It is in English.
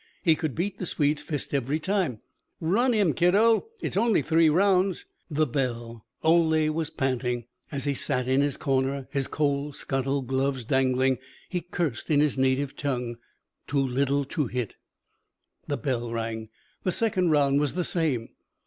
He could beat the Swede's fist every time. "Run him, kiddo!" "It's only three rounds." The bell. Ole was panting. As he sat in his corner, his coal scuttle gloves dangling, he cursed in his native tongue. Too little to hit. Bell. The second round was the same.